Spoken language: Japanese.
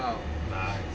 ナイス！